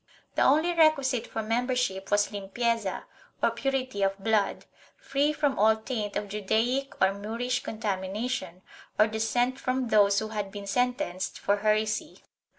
The only requisite for member ship was limpieza, or purity of blood, free from all taint of Judaic or Moorish contamination, or descent from those who had been sentenced for heresy.